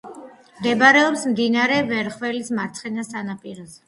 მდებარეობს მდინარე ვერხველის მარცხენა ნაპირზე.